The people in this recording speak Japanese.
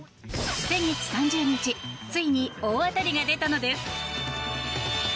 先月３０日ついに大当たりが出たのです。